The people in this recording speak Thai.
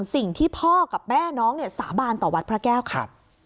สิ่งที่พอกับแม่น้องสาบานต่อวัดพระแก้วค่ะ